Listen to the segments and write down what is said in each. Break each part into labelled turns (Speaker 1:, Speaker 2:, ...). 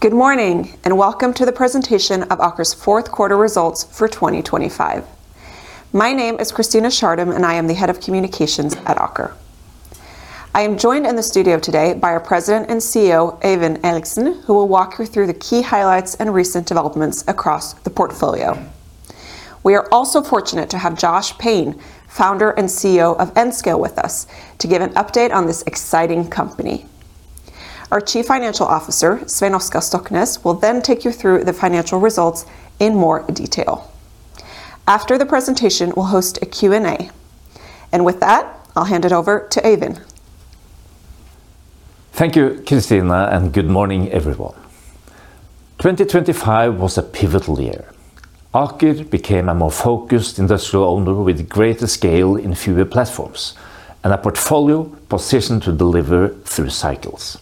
Speaker 1: Good morning, and welcome to the presentation of Aker's Fourth Quarter Results for 2025. My name is Christina Schartum, and I am the Head of Communications at Aker. I am joined in the studio today by our President and CEO, Øyvind Eriksen, who will walk you through the key highlights and recent developments across the portfolio. We are also fortunate to have Josh Payne, founder and CEO of Nscale, with us to give an update on this exciting company. Our Chief Financial Officer, Svein Oskar Stoknes, will then take you through the financial results in more detail. After the presentation, we'll host a Q&A. With that, I'll hand it over to Øyvind.
Speaker 2: Thank you, Christina, and good morning, everyone. 2025 was a pivotal year. Aker became a more focused industrial owner with greater scale in fewer platforms and a portfolio positioned to deliver through cycles.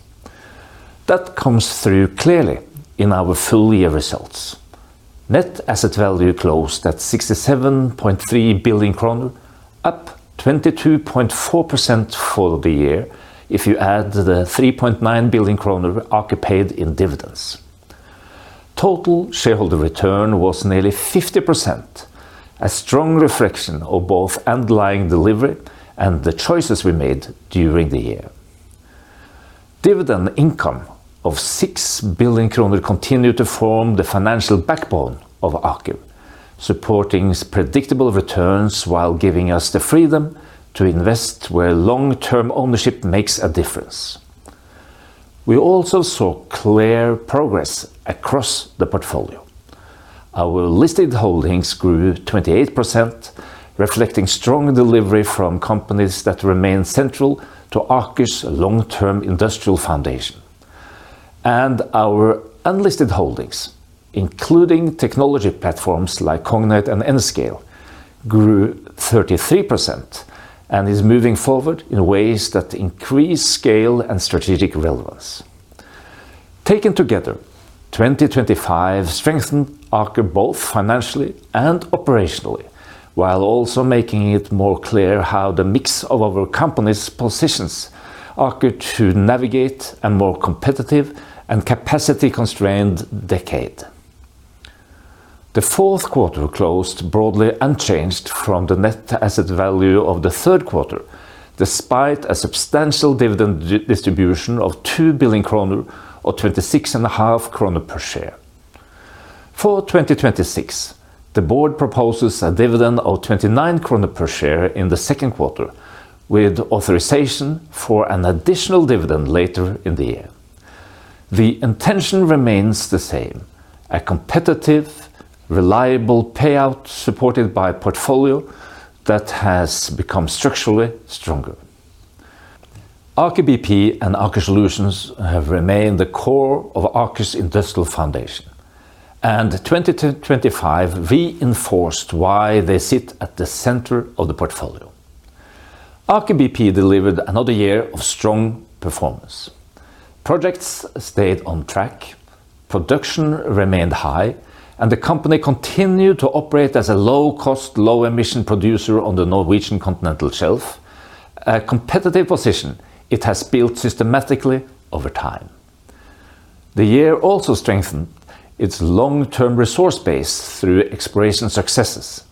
Speaker 2: That comes through clearly in our full year results. Net asset value closed at 67.3 billion kroner, up 22.4% for the year if you add the 3.9 billion kroner Aker paid in dividends. Total shareholder return was nearly 50%, a strong reflection of both underlying delivery and the choices we made during the year. Dividend income of 6 billion kroner continued to form the financial backbone of Aker, supporting its predictable returns while giving us the freedom to invest where long-term ownership makes a difference. We also saw clear progress across the portfolio. Our listed holdings grew 28%, reflecting strong delivery from companies that remain central to Aker's long-term industrial foundation. And our unlisted holdings, including technology platforms like Cognite and Nscale, grew 33% and is moving forward in ways that increase scale and strategic relevance. Taken together, 2025 strengthened Aker both financially and operationally, while also making it more clear how the mix of our company's positions Aker to navigate a more competitive and capacity-constrained decade. The fourth quarter closed broadly unchanged from the net asset value of the third quarter, despite a substantial dividend distribution of 2 billion kroner, or 26.5 kroner per share. For 2026, the board proposes a dividend of 29 kroner per share in the second quarter, with authorization for an additional dividend later in the year. The intention remains the same: a competitive, reliable payout supported by a portfolio that has become structurally stronger. Aker BP and Aker Solutions have remained the core of Aker's industrial foundation, and 25 reinforced why they sit at the center of the portfolio. Aker BP delivered another year of strong performance. Projects stayed on track, production remained high, and the company continued to operate as a low-cost, low-emission producer on the Norwegian continental shelf, a competitive position it has built systematically over time. The year also strengthened its long-term resource base through exploration successes,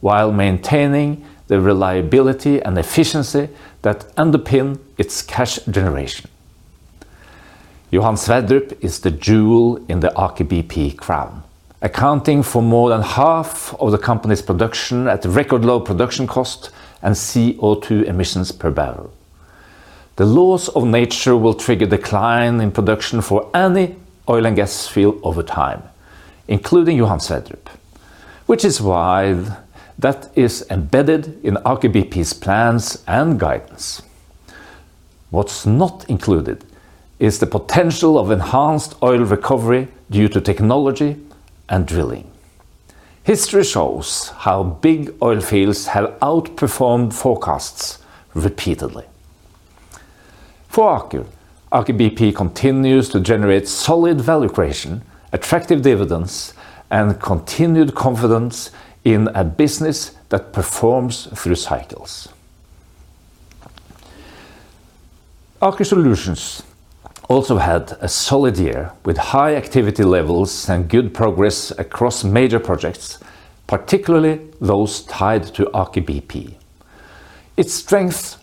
Speaker 2: while maintaining the reliability and efficiency that underpin its cash generation. Johan Sverdrup is the jewel in the Aker BP crown, accounting for more than half of the company's production at record low production cost and CO2 emissions per barrel. The laws of nature will trigger decline in production for any oil and gas field over time, including Johan Sverdrup, which is why that is embedded in Aker BP's plans and guidance. What's not included is the potential of enhanced oil recovery due to technology and drilling. History shows how big oil fields have outperformed forecasts repeatedly. For Aker, Aker BP continues to generate solid value creation, attractive dividends, and continued confidence in a business that performs through cycles. Aker Solutions also had a solid year, with high activity levels and good progress across major projects, particularly those tied to Aker BP. Its strength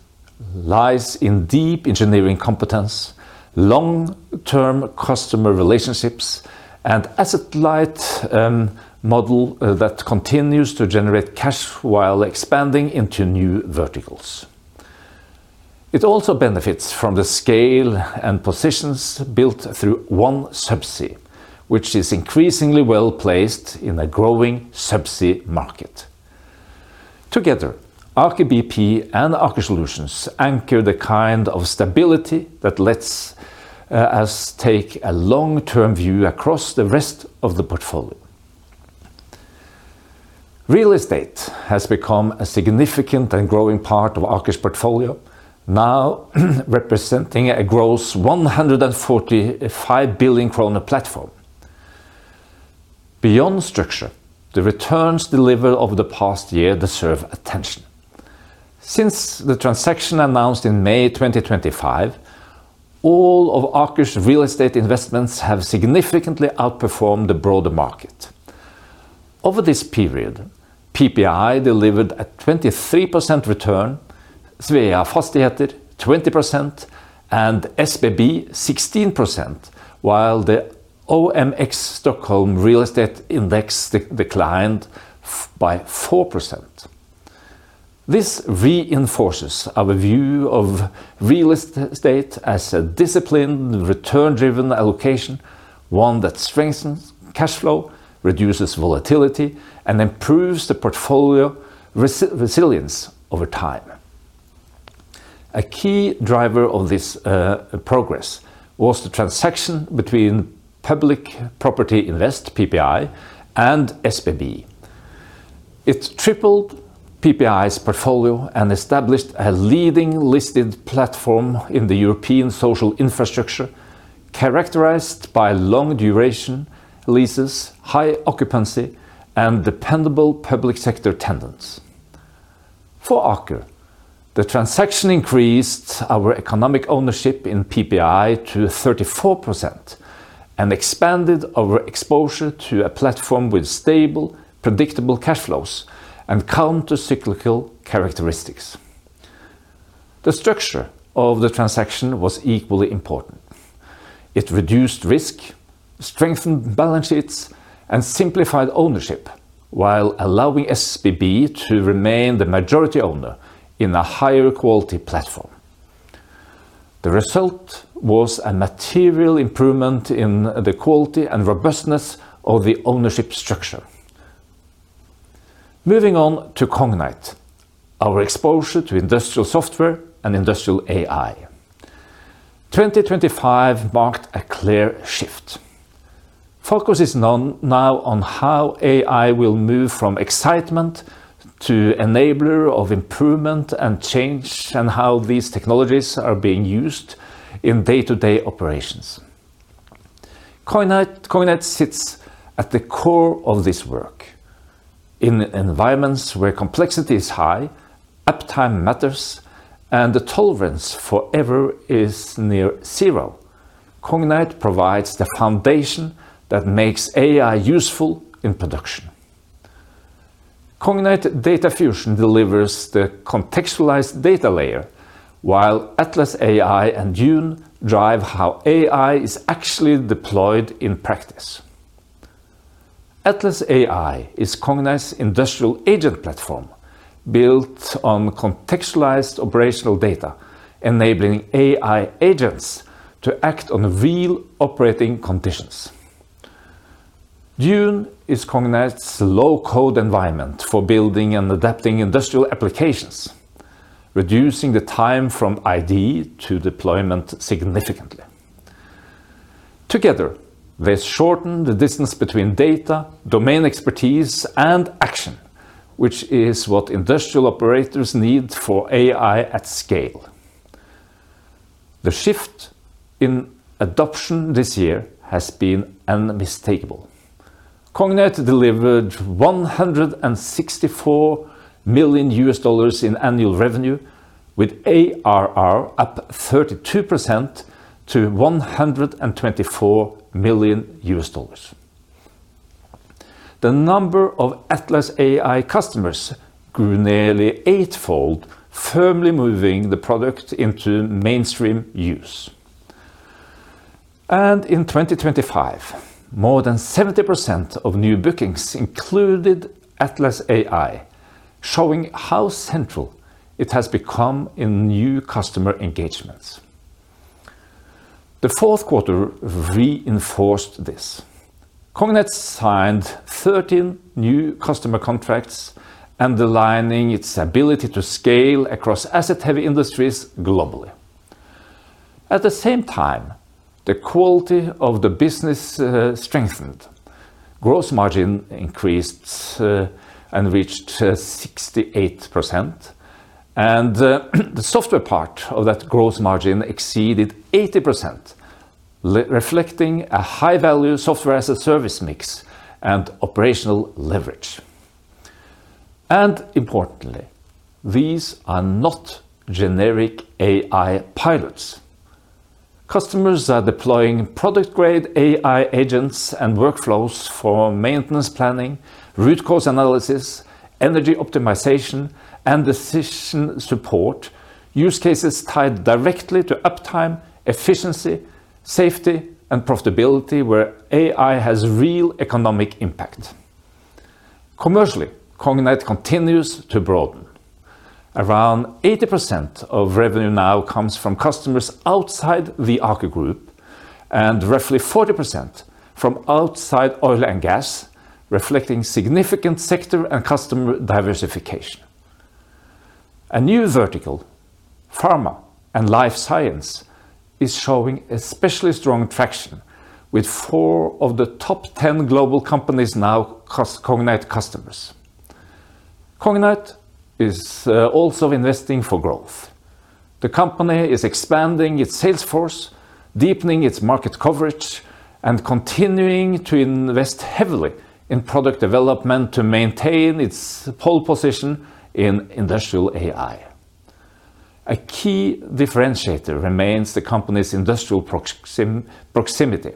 Speaker 2: lies in deep engineering competence, long-term customer relationships, and asset-light model that continues to generate cash while expanding into new verticals. It also benefits from the scale and positions built through OneSubsea, which is increasingly well-placed in a growing subsea market. Together, Aker BP and Aker Solutions anchor the kind of stability that lets us take a long-term view across the rest of the portfolio. Real estate has become a significant and growing part of Aker's portfolio, now representing a gross 145 billion kroner platform. Beyond structure, the returns delivered over the past year deserve attention. Since the transaction announced in May 2025, all of Aker's real estate investments have significantly outperformed the broader market. Over this period, PPI delivered a 23% return, Svea Fastigheter 20%, and SBB 16%, while the OMX Stockholm Real Estate Index declined by 4%. This reinforces our view of real estate as a disciplined, return-driven allocation, one that strengthens cash flow, reduces volatility, and improves the portfolio resilience over time. A key driver of this progress was the transaction between Public Property Invest, PPI, and SBB. It tripled PPI's portfolio and established a leading listed platform in the European social infrastructure, characterized by long-duration leases, high occupancy, and dependable public sector tenants. For Aker, the transaction increased our economic ownership in PPI to 34% and expanded our exposure to a platform with stable, predictable cash flows and counter-cyclical characteristics. The structure of the transaction was equally important. It reduced risk, strengthened balance sheets, and simplified ownership, while allowing SBB to remain the majority owner in a higher quality platform. The result was a material improvement in the quality and robustness of the ownership structure. Moving on to Cognite, our exposure to industrial software and industrial AI. 2025 marked a clear shift. Focus is now on how AI will move from excitement to enabler of improvement and change, and how these technologies are being used in day-to-day operations. Cognite sits at the core of this work. In environments where complexity is high, uptime matters, and the tolerance for error is near zero, Cognite provides the foundation that makes AI useful in production. Cognite Data Fusion delivers the contextualized data layer, while Atlas AI and Dune drive how AI is actually deployed in practice. Atlas AI is Cognite's industrial agent platform, built on contextualized operational data, enabling AI agents to act on real operating conditions. Dune is Cognite's low-code environment for building and adapting industrial applications, reducing the time from ID to deployment significantly. Together, they shorten the distance between data, domain expertise, and action, which is what industrial operators need for AI at scale. The shift in adoption this year has been unmistakable. Cognite delivered $164 million in annual revenue, with ARR up 32% to $124 million. The number of Atlas AI customers grew nearly eightfold, firmly moving the product into mainstream use. In 2025, more than 70% of new bookings included Atlas AI, showing how central it has become in new customer engagements. The fourth quarter reinforced this. Cognite signed 13 new customer contracts, underlining its ability to scale across asset-heavy industries globally. At the same time, the quality of the business strengthened. Gross margin increased and reached 68%, and the software part of that gross margin exceeded 80%, reflecting a high-value software as a service mix and operational leverage. Importantly, these are not generic AI pilots. Customers are deploying product-grade AI agents and workflows for maintenance planning, root cause analysis, energy optimization, and decision support, use cases tied directly to uptime, efficiency, safety, and profitability, where AI has real economic impact. Commercially, Cognite continues to broaden. Around 80% of revenue now comes from customers outside the Aker group, and roughly 40% from outside oil and gas, reflecting significant sector and customer diversification. A new vertical, pharma and life science, is showing especially strong traction, with four of the top 10 global companies now Cognite customers.... Cognite is also investing for growth. The company is expanding its sales force, deepening its market coverage, and continuing to invest heavily in product development to maintain its pole position in industrial AI. A key differentiator remains the company's industrial proximity.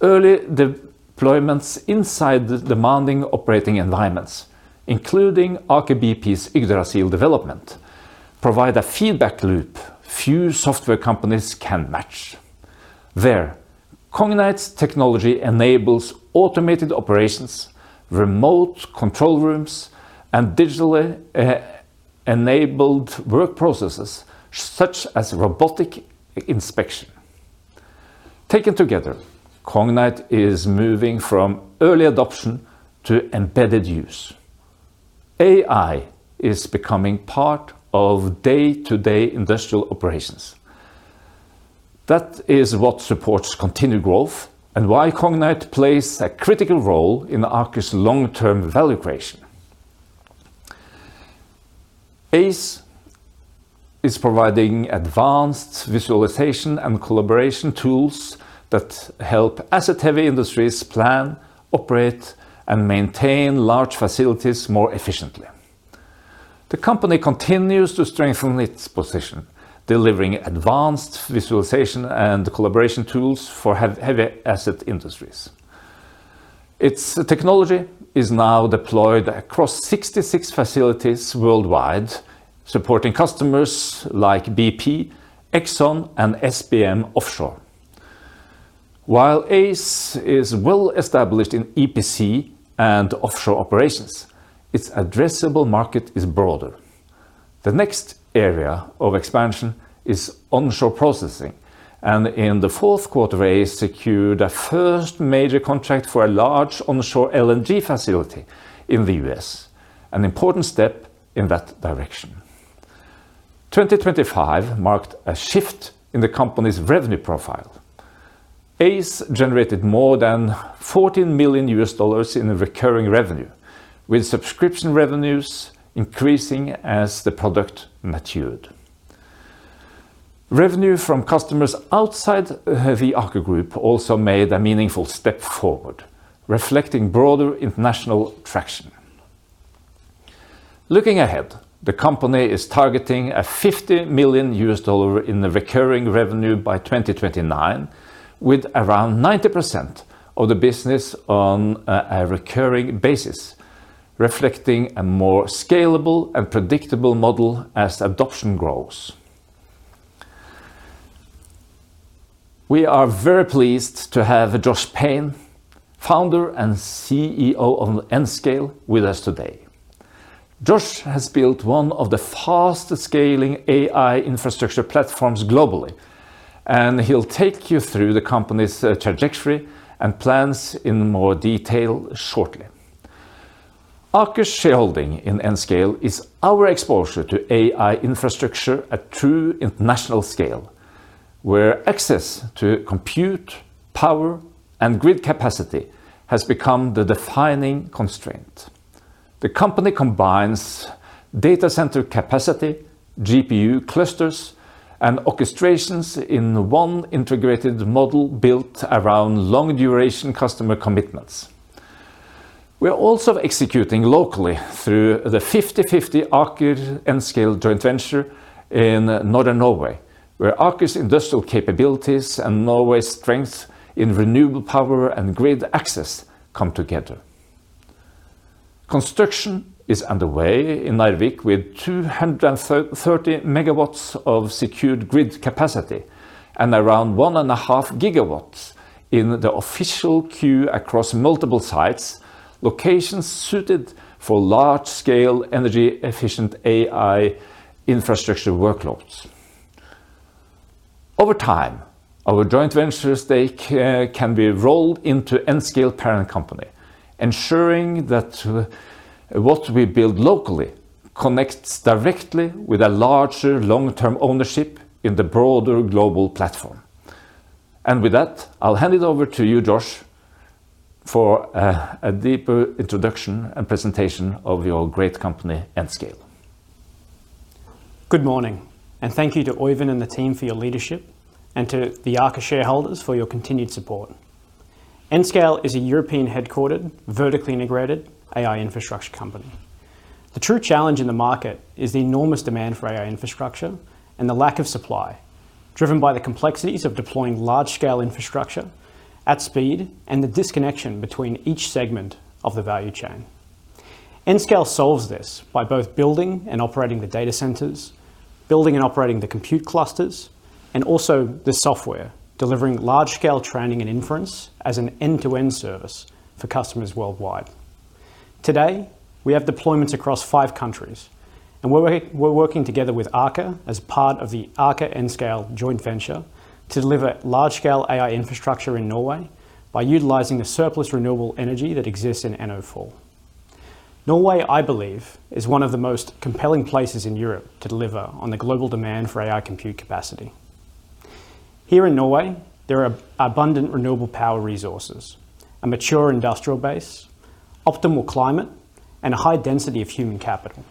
Speaker 2: Early deployments inside the demanding operating environments, including Aker BP's Yggdrasil development, provide a feedback loop few software companies can match. There, Cognite's technology enables automated operations, remote control rooms, and digitally enabled work processes, such as robotic inspection. Taken together, Cognite is moving from early adoption to embedded use. AI is becoming part of day-to-day industrial operations. That is what supports continued growth and why Cognite plays a critical role in Aker's long-term value creation. Aize is providing advanced visualization and collaboration tools that help asset-heavy industries plan, operate, and maintain large facilities more efficiently. The company continues to strengthen its position, delivering advanced visualization and collaboration tools for heavy asset industries. Its technology is now deployed across 66 facilities worldwide, supporting customers like BP, Exxon, and SBM Offshore. While Aize is well established in EPC and offshore operations, its addressable market is broader. The next area of expansion is onshore processing, and in the fourth quarter, Aize secured a first major contract for a large onshore LNG facility in the U.S., an important step in that direction. 2025 marked a shift in the company's revenue profile. Aize generated more than $14 million in recurring revenue, with subscription revenues increasing as the product matured. Revenue from customers outside heavy Aker group also made a meaningful step forward, reflecting broader international traction. Looking ahead, the company is targeting $50 million in recurring revenue by 2029, with around 90% of the business on a recurring basis, reflecting a more scalable and predictable model as adoption grows. We are very pleased to have Josh Payne, founder and CEO of Nscale, with us today. Josh has built one of the fastest-scaling AI infrastructure platforms globally, and he'll take you through the company's trajectory and plans in more detail shortly. Aker's shareholding in Nscale is our exposure to AI infrastructure, a true international scale, where access to compute, power, and grid capacity has become the defining constraint. The company combines data center capacity, GPU clusters, and orchestrations in one integrated model built around long-duration customer commitments. We are also executing locally through the 50/50 Aker-Nscale joint venture in northern Norway, where Aker's industrial capabilities and Norway's strength in renewable power and grid access come together. Construction is underway in Narvik with 230 MW of secured grid capacity and around 1.5 GW in the official queue across multiple sites, locations suited for large-scale, energy-efficient AI infrastructure workloads. Over time, our joint venture stake can be rolled into Nscale parent company, ensuring that what we build locally connects directly with a larger long-term ownership in the broader global platform. And with that, I'll hand it over to you, Josh, for a deeper introduction and presentation of your great company, Nscale.
Speaker 3: Good morning, and thank you to Øyvind and the team for your leadership and to the Aker shareholders for your continued support. Nscale is a European-headquartered, vertically integrated AI infrastructure company. The true challenge in the market is the enormous demand for AI infrastructure and the lack of supply, driven by the complexities of deploying large-scale infrastructure at speed and the disconnection between each segment of the value chain. Nscale solves this by both building and operating the data centers, building and operating the compute clusters, and also the software, delivering large-scale training and inference as an end-to-end service for customers worldwide. Today, we have deployments across five countries, and we're working together with Aker as part of the Aker-Nscale joint venture to deliver large-scale AI infrastructure in Norway by utilizing the surplus renewable energy that exists in NO4. Norway, I believe, is one of the most compelling places in Europe to deliver on the global demand for AI compute capacity. Here in Norway, there are abundant renewable power resources, a mature industrial base, optimal climate, and a high density of human capital.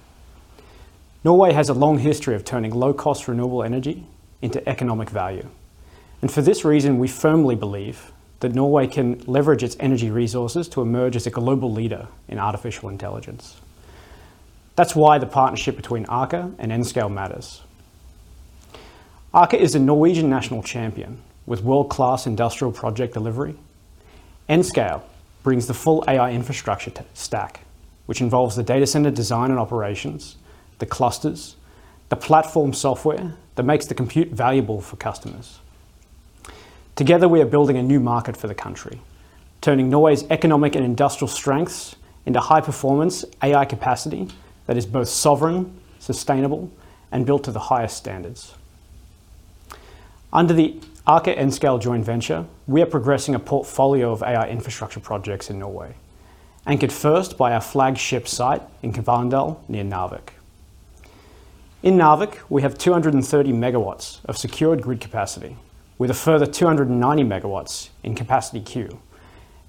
Speaker 3: Norway has a long history of turning low-cost renewable energy into economic value, and for this reason, we firmly believe that Norway can leverage its energy resources to emerge as a global leader in artificial intelligence. That's why the partnership between Aker and Nscale matters. Aker is a Norwegian national champion with world-class industrial project delivery. Nscale brings the full AI infrastructure to stack, which involves the data center design and operations, the clusters, the platform software that makes the compute valuable for customers. Together, we are building a new market for the country, turning Norway's economic and industrial strengths into high-performance AI capacity that is both sovereign, sustainable, and built to the highest standards. Under the Aker Nscale joint venture, we are progressing a portfolio of AI infrastructure projects in Norway, anchored first by our flagship site in Kvalsund near Narvik. In Narvik, we have 230 MW of secured grid capacity, with a further 290 MW in capacity queue,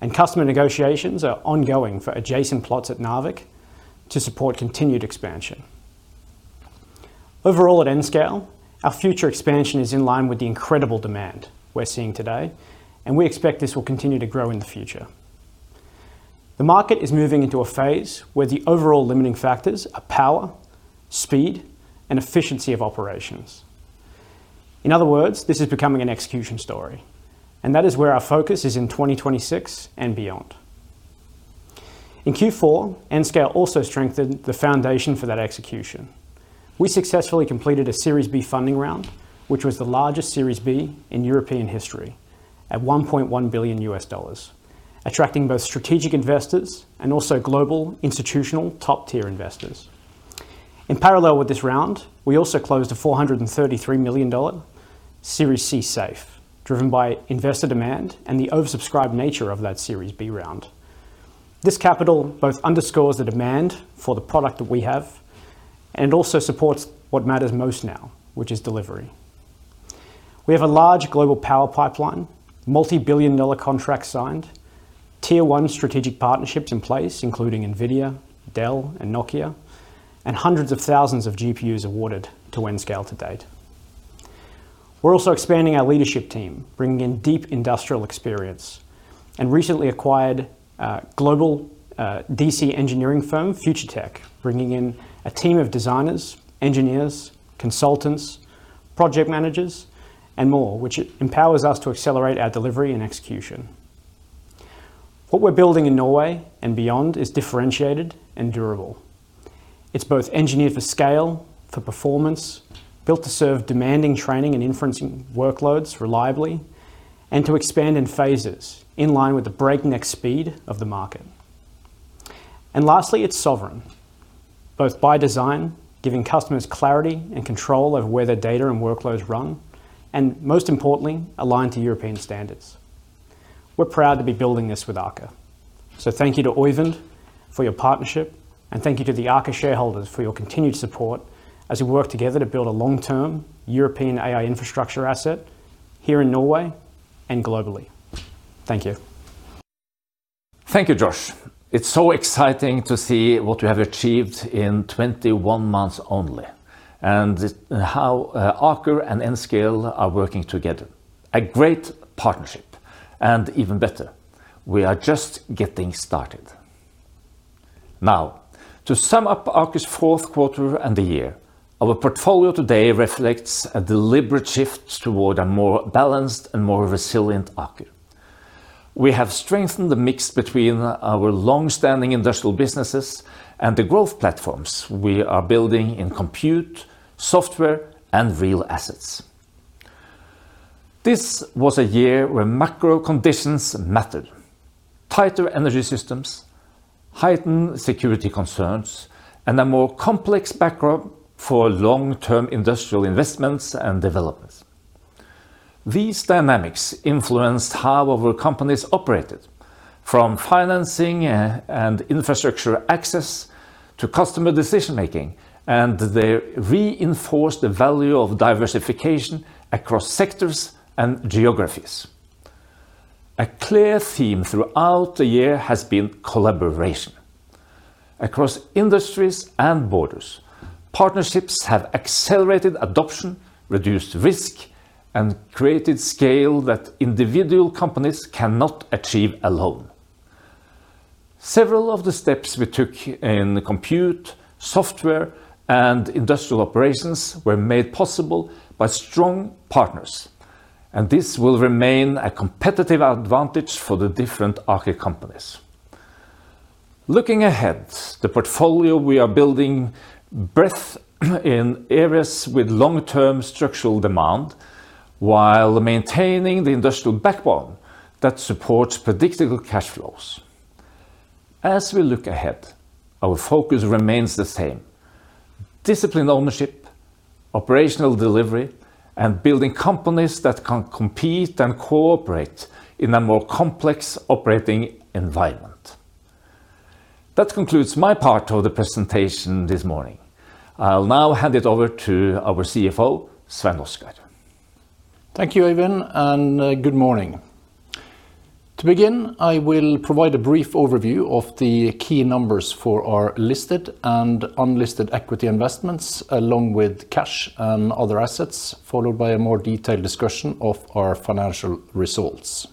Speaker 3: and customer negotiations are ongoing for adjacent plots at Narvik to support continued expansion. Overall, at Nscale, our future expansion is in line with the incredible demand we're seeing today, and we expect this will continue to grow in the future. The market is moving into a phase where the overall limiting factors are power, speed, and efficiency of operations. In other words, this is becoming an execution story, and that is where our focus is in 2026 and beyond. In Q4, Nscale also strengthened the foundation for that execution. We successfully completed a Series B funding round, which was the largest Series B in European history at $1.1 billion, attracting both strategic investors and also global institutional top-tier investors. In parallel with this round, we also closed a $433 million Series C SAFE, driven by investor demand and the oversubscribed nature of that Series B round. This capital both underscores the demand for the product that we have and also supports what matters most now, which is delivery. We have a large global power pipeline, multi-billion dollar contracts signed, tier one strategic partnerships in place, including NVIDIA, Dell, and Nokia, and hundreds of thousands of GPUs awarded to Nscale to date. We're also expanding our leadership team, bringing in deep industrial experience, and recently acquired global DC engineering firm, FutureTech, bringing in a team of designers, engineers, consultants, project managers, and more, which empowers us to accelerate our delivery and execution. What we're building in Norway and beyond is differentiated and durable. It's both engineered for scale, for performance, built to serve demanding training and inferencing workloads reliably, and to expand in phases in line with the breakneck speed of the market. And lastly, it's sovereign, both by design, giving customers clarity and control over where their data and workloads run, and most importantly, aligned to European standards. We're proud to be building this with Aker. So thank you to Øyvind for your partnership, and thank you to the Aker shareholders for your continued support as we work together to build a long-term European AI infrastructure asset here in Norway and globally. Thank you.
Speaker 2: Thank you, Josh. It's so exciting to see what you have achieved in 21 months only and how, Aker and Nscale are working together. A great partnership, and even better, we are just getting started. Now, to sum up Aker's fourth quarter and the year, our portfolio today reflects a deliberate shift toward a more balanced and more resilient Aker. We have strengthened the mix between our long-standing industrial businesses and the growth platforms we are building in compute, software, and real assets. This was a year where macro conditions mattered. Tighter energy systems, heightened security concerns, and a more complex backdrop for long-term industrial investments and developments. These dynamics influenced how our companies operated, from financing and infrastructure access to customer decision-making, and they reinforced the value of diversification across sectors and geographies. A clear theme throughout the year has been collaboration. Across industries and borders, partnerships have accelerated adoption, reduced risk, and created scale that individual companies cannot achieve alone. Several of the steps we took in the compute, software, and industrial operations were made possible by strong partners, and this will remain a competitive advantage for the different Aker companies. Looking ahead, the portfolio we are building breadth in areas with long-term structural demand, while maintaining the industrial backbone that supports predictable cash flows. As we look ahead, our focus remains the same: disciplined ownership, operational delivery, and building companies that can compete and cooperate in a more complex operating environment.... That concludes my part of the presentation this morning. I'll now hand it over to our CFO, Svein Oskar.
Speaker 4: Thank you, Øyvind, and, good morning. To begin, I will provide a brief overview of the key numbers for our listed and unlisted equity investments, along with cash and other assets, followed by a more detailed discussion of our financial results.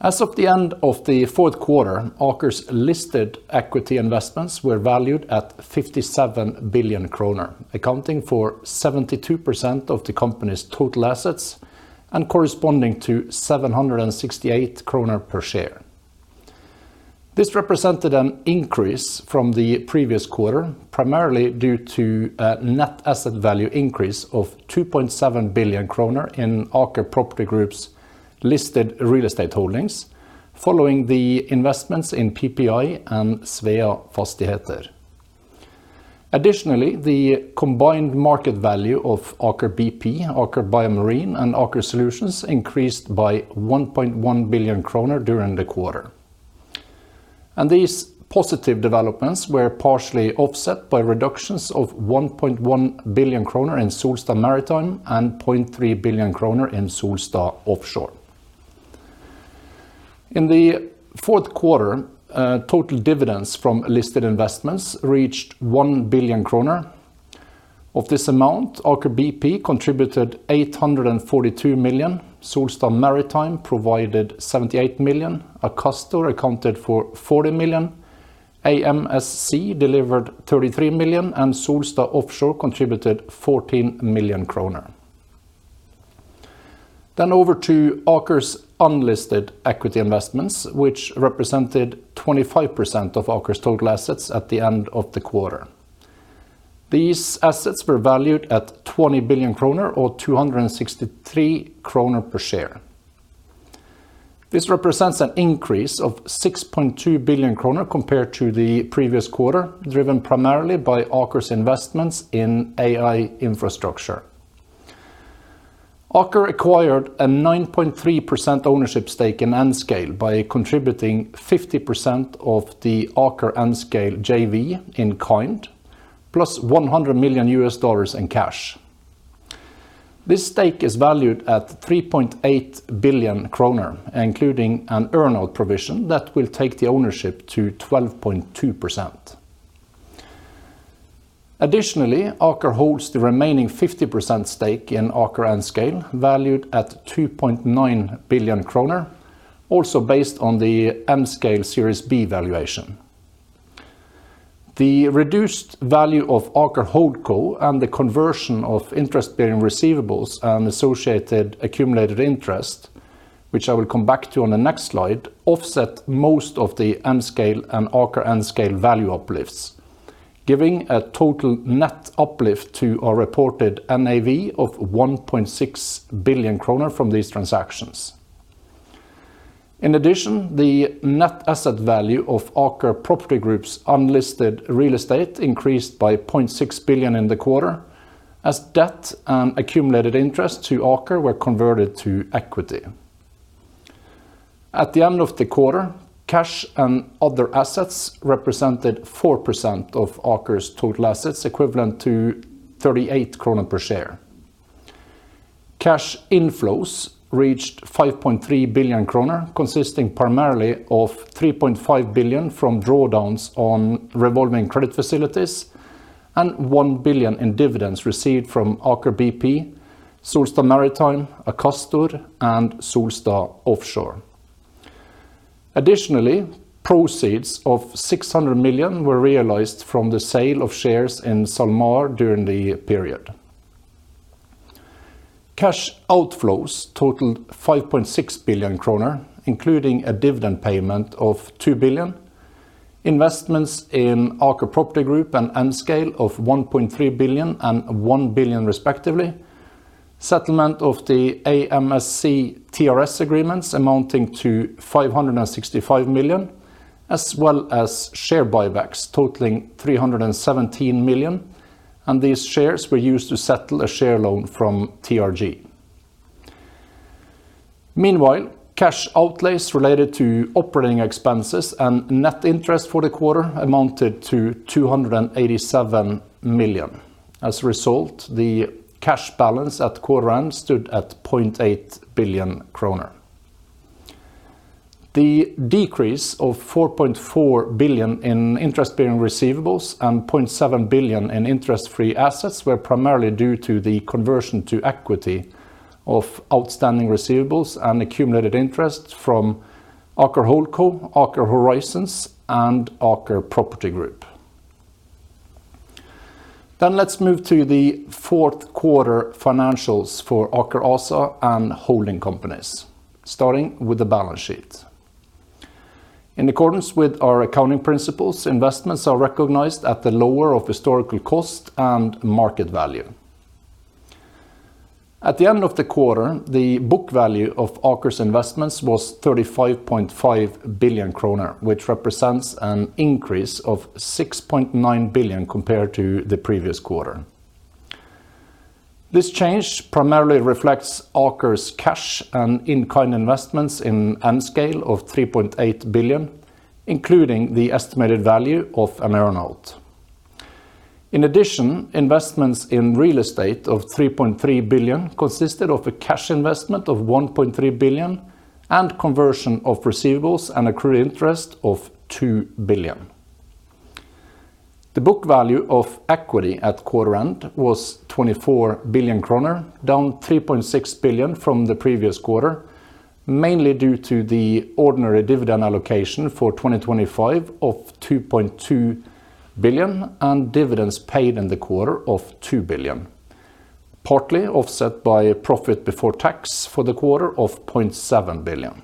Speaker 4: As of the end of the fourth quarter, Aker's listed equity investments were valued at 57 billion kroner, accounting for 72% of the company's total assets and corresponding to 768 kroner per share. This represented an increase from the previous quarter, primarily due to a net asset value increase of 2.7 billion kroner in Aker Property Group's listed real estate holdings, following the investments in PPI and Svea Fastigheter. Additionally, the combined market value of Aker BP, Aker BioMarine, and Aker Solutions increased by 1.1 billion kroner during the quarter. These positive developments were partially offset by reductions of 1.1 billion kroner in Solstad Maritime and 0.3 billion kroner in Solstad Offshore. In the fourth quarter, total dividends from listed investments reached 1 billion kroner. Of this amount, Aker BP contributed 842 million, Solstad Maritime provided 78 million, Akastor accounted for 40 million, AMSC delivered 33 million, and Solstad Offshore contributed 14 million kroner. Over to Aker's unlisted equity investments, which represented 25% of Aker's total assets at the end of the quarter. These assets were valued at 20 billion kroner, or 263 kroner per share. This represents an increase of 6.2 billion kroner compared to the previous quarter, driven primarily by Aker's investments in AI infrastructure. Aker acquired a 9.3% ownership stake in Nscale by contributing 50% of the Aker Nscale JV in kind, plus $100 million in cash. This stake is valued at 3.8 billion kroner, including an earnout provision that will take the ownership to 12.2%. Additionally, Aker holds the remaining 50% stake in Aker Nscale, valued at 2.9 billion kroner, also based on the Nscale Series B valuation. The reduced value of Aker Holdco and the conversion of interest-bearing receivables and associated accumulated interest, which I will come back to on the next slide, offset most of the Nscale and Aker Nscale value uplifts, giving a total net uplift to our reported NAV of 1.6 billion kroner from these transactions. In addition, the net asset value of Aker Property Group's unlisted real estate increased by 0.6 billion in the quarter, as debt and accumulated interest to Aker were converted to equity. At the end of the quarter, cash and other assets represented 4% of Aker's total assets, equivalent to 38 krone per share. Cash inflows reached 5.3 billion kroner, consisting primarily of 3.5 billion from drawdowns on revolving credit facilities and 1 billion in dividends received from Aker BP, Solstad Maritime, Akastor, and Solstad Offshore. Additionally, proceeds of 600 million were realized from the sale of shares in Solstad Maritime during the period. Cash outflows totaled 5.6 billion kroner, including a dividend payment of 2 billion, investments in Aker Property Group and Nscale of 1.3 billion and 1 billion, respectively, settlement of the AMSC TRS agreements amounting to 565 million, as well as share buybacks totaling 317 million, and these shares were used to settle a share loan from TRG. Meanwhile, cash outlays related to operating expenses and net interest for the quarter amounted to 287 million. As a result, the cash balance at quarter end stood at 0.8 billion kroner. The decrease of 4.4 billion in interest-bearing receivables and 0.7 billion in interest-free assets were primarily due to the conversion to equity of outstanding receivables and accumulated interest from Aker Holdco, Aker Horizons, and Aker Property Group. Then let's move to the fourth quarter financials for Aker ASA and holding companies, starting with the balance sheet. In accordance with our accounting principles, investments are recognized at the lower of historical cost and market value. At the end of the quarter, the book value of Aker's investments was 35.5 billion kroner, which represents an increase of 6.9 billion compared to the previous quarter. This change primarily reflects Aker's cash and in-kind investments in Nscale of 3.8 billion, including the estimated value of Ameranault. In addition, investments in real estate of 3.3 billion consisted of a cash investment of 1.3 billion, and conversion of receivables and accrued interest of 2 billion. The book value of equity at quarter end was 24 billion kroner, down 3.6 billion from the previous quarter, mainly due to the ordinary dividend allocation for 2025 of 2.2 billion, and dividends paid in the quarter of 2 billion, partly offset by profit before tax for the quarter of 0.7 billion.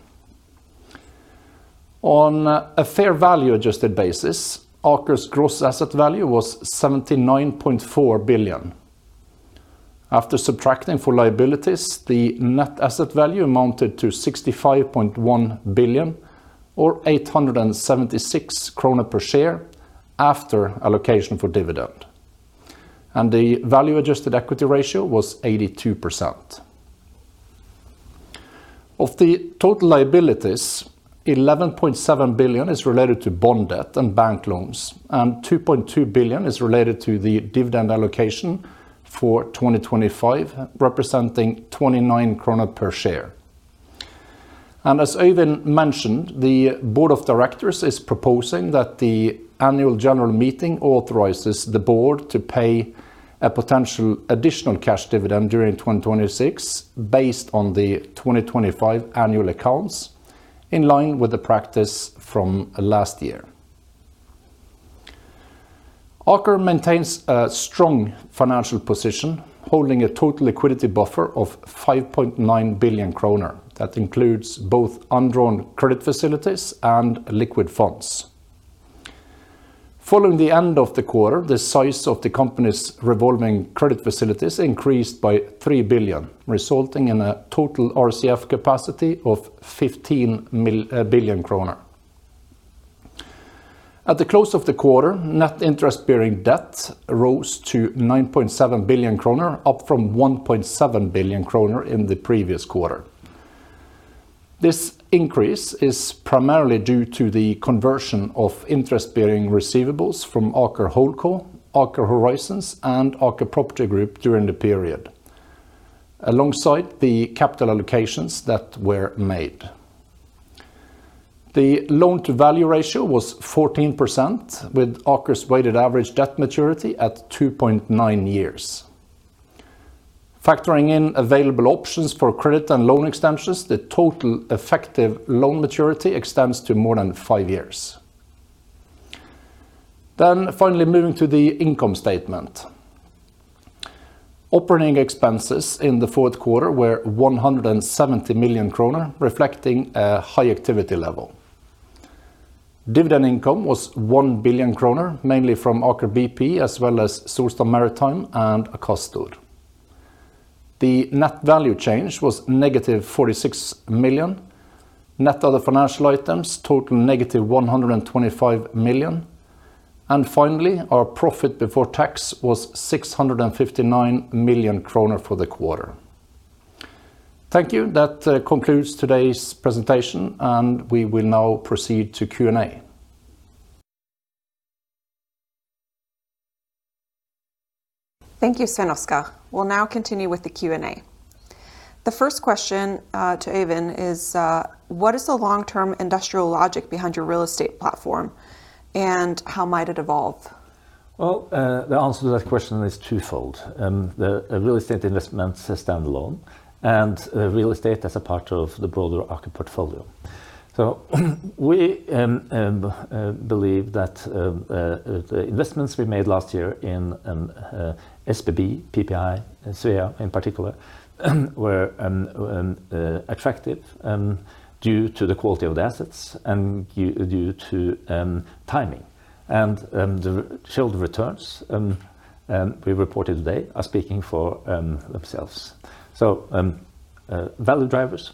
Speaker 4: On a fair value adjusted basis, Aker's gross asset value was 79.4 billion. After subtracting full liabilities, the net asset value amounted to 65.1 billion or 876 krone per share after allocation for dividend, and the value adjusted equity ratio was 82%. Of the total liabilities, 11.7 billion is related to bond debt and bank loans, and 2.2 billion is related to the dividend allocation for 2025, representing 29 krone per share. As Øyvind mentioned, the board of directors is proposing that the annual general meeting authorizes the board to pay a potential additional cash dividend during 2026, based on the 2025 annual accounts, in line with the practice from last year. Aker maintains a strong financial position, holding a total liquidity buffer of 5.9 billion kroner. That includes both undrawn credit facilities and liquid funds. Following the end of the quarter, the size of the company's revolving credit facilities increased by 3 billion, resulting in a total RCF capacity of 15 billion kroner. At the close of the quarter, net interest-bearing debt rose to 9.7 billion kroner, up from 1.7 billion kroner in the previous quarter. This increase is primarily due to the conversion of interest-bearing receivables from Aker Holdco, Aker Horizons, and Aker Property Group during the period, alongside the capital allocations that were made. The loan-to-value ratio was 14%, with Aker's weighted average debt maturity at 2.9 years. Factoring in available options for credit and loan extensions, the total effective loan maturity extends to more than 5 years. Then finally, moving to the income statement. Operating expenses in the fourth quarter were 170 million kroner, reflecting a high activity level. Dividend income was 1 billion kroner, mainly from Aker BP, as well as Solstad Maritime and Akastor. The net value change was -46 million. Net other financial items, total -125 million, and finally, our profit before tax was 659 million kroner for the quarter. Thank you. That concludes today's presentation, and we will now proceed to Q&A.
Speaker 1: Thank you, Svein Oskar. We'll now continue with the Q&A. The first question to Øyvind is, what is the long-term industrial logic behind your real estate platform, and how might it evolve?
Speaker 2: Well, the answer to that question is twofold, real estate investment as standalone and real estate as a part of the broader Aker portfolio. So we believe that the investments we made last year in SBB, PPI, and Svea in particular, were attractive due to the quality of the assets and due to timing. And the shared returns we reported today are speaking for themselves. So value drivers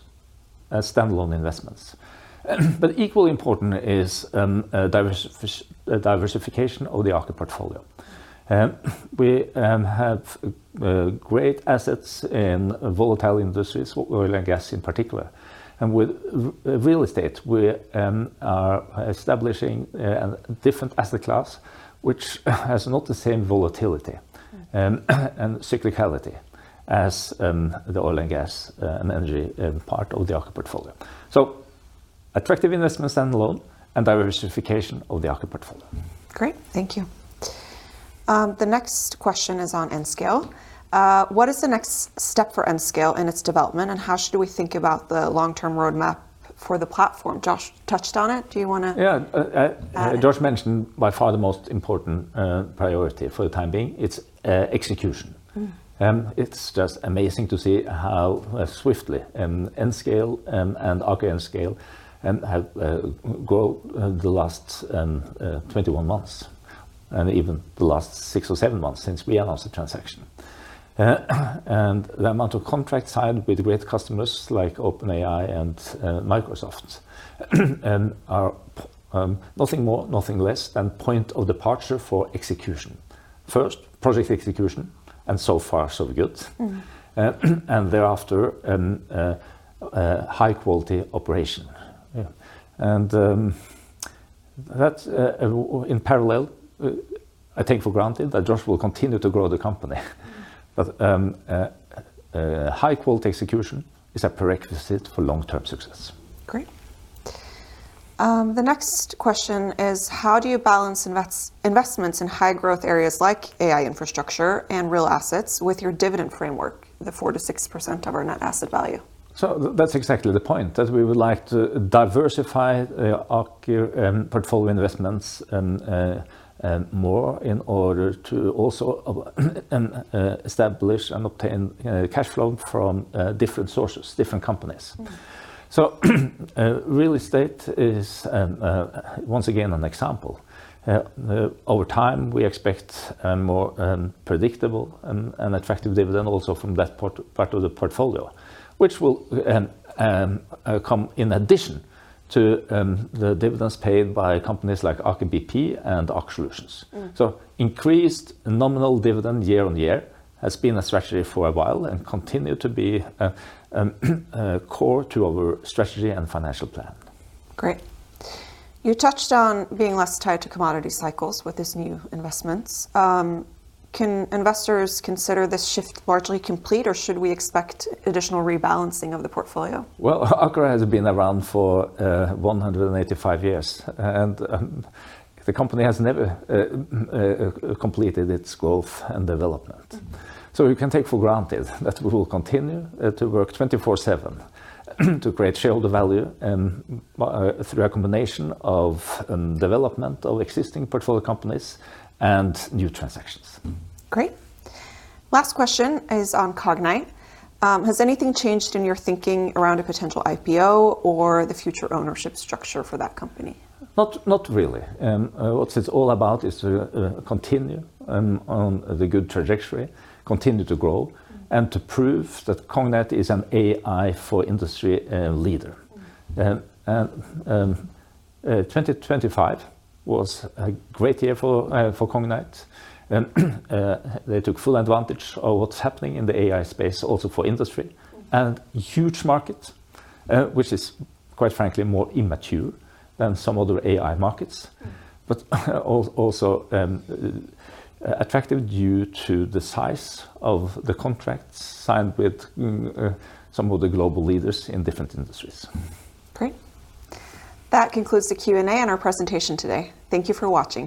Speaker 2: as standalone investments. But equally important is diversification of the Aker portfolio. We have great assets in volatile industries, oil and gas in particular. With real estate, we are establishing a different asset class, which has not the same volatility and cyclicality as the oil and gas and energy part of the Aker portfolio. So attractive investments standalone and diversification of the Aker portfolio.
Speaker 1: Great, thank you. The next question is on Nscale. What is the next step for Nscale and its development, and how should we think about the long-term roadmap for the platform? Josh touched on it. Do you wanna-
Speaker 2: Yeah.
Speaker 1: Uh, uh-
Speaker 2: Josh mentioned by far the most important priority for the time being. It's execution.
Speaker 1: Mm.
Speaker 2: It's just amazing to see how swiftly Nscale and Aker Nscale have grown in the last 21 months, and even the last six or seven months since we announced the transaction. And the amount of contracts signed with great customers like OpenAI and Microsoft are nothing more, nothing less than point of departure for execution... first, project execution, and so far, so good.
Speaker 1: Mm.
Speaker 2: And thereafter, a high-quality operation. Yeah. And, that's, in parallel, I take for granted that Josh will continue to grow the company.
Speaker 1: Mm.
Speaker 2: High-quality execution is a prerequisite for long-term success.
Speaker 1: Great. The next question is: How do you balance investments in high-growth areas, like AI infrastructure and real assets, with your dividend framework, the 4%-6% of our net asset value?
Speaker 2: So that's exactly the point, that we would like to diversify our portfolio investments and more in order to also establish and obtain cash flow from different sources, different companies.
Speaker 1: Mm.
Speaker 2: So, real estate is, once again, an example. Over time, we expect a more predictable and attractive dividend also from that part of the portfolio, which will come in addition to the dividends paid by companies like Aker BP and Aker Solutions.
Speaker 1: Mm.
Speaker 2: Increased nominal dividend year on year has been a strategy for a while, and continue to be a core to our strategy and financial plan.
Speaker 1: Great. You touched on being less tied to commodity cycles with these new investments. Can investors consider this shift largely complete, or should we expect additional rebalancing of the portfolio?
Speaker 2: Well, Aker has been around for 185 years, and the company has never completed its growth and development.
Speaker 1: Mm.
Speaker 2: So we can take for granted that we will continue to work 24/7, to create shareholder value, and through a combination of development of existing portfolio companies and new transactions.
Speaker 1: Great. Last question is on Cognite. Has anything changed in your thinking around a potential IPO or the future ownership structure for that company?
Speaker 2: Not, not really. What it's all about is to continue on the good trajectory, continue to grow-
Speaker 1: Mm...
Speaker 2: and to prove that Cognite is an AI for industry leader.
Speaker 1: Mm.
Speaker 2: 2025 was a great year for Cognite. They took full advantage of what's happening in the AI space, also for industry.
Speaker 1: Mm.
Speaker 2: Huge market, which is, quite frankly, more immature than some other AI markets-
Speaker 1: Mm...
Speaker 2: but also attractive due to the size of the contracts signed with some of the global leaders in different industries.
Speaker 1: Great. That concludes the Q&A and our presentation today. Thank you for watching.